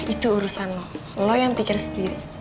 itu urusan lo yang pikir sendiri